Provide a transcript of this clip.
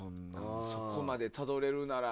そこまでたどれるなら。